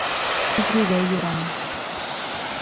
Изгегә юраны.